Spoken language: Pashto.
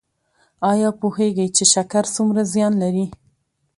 ایا پوهیږئ چې شکر څومره زیان لري؟